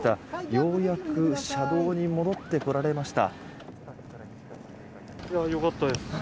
ようやく車道に戻ってこられました。